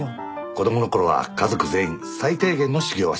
子供のころは家族全員最低限の修行はします。